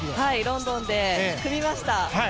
ロンドンで組みました。